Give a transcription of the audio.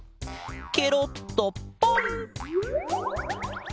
ケロッとポン！